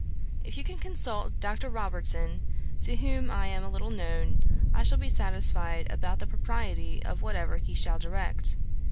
'If you can consult Dr. Robertson, to whom I am a little known, I shall be satisfied about the propriety of whatever he shall direct.